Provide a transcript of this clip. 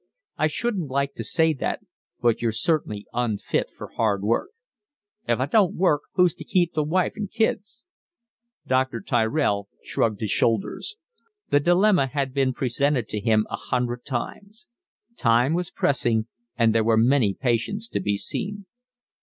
"I shouldn't like to say that, but you're certainly unfit for hard work." "If I don't work who's to keep the wife and the kids?" Dr. Tyrell shrugged his shoulders. The dilemma had been presented to him a hundred times. Time was pressing and there were many patients to be seen.